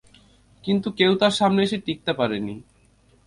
কিন্তু কেউ তার সামনে এসে টিকতে পারেনি।